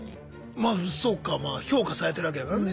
まあそうかまあ評価されてるわけだからね。